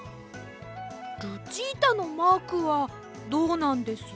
ルチータのマークはどうなんです？